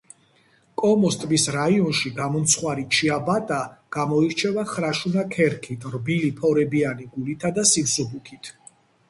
კომოს ტბის რაიონში გამომცხვარი ჩიაბატა, გამოირჩევა ხრაშუნა ქერქით, რბილი, ფორებიანი გულითა და სიმსუბუქით.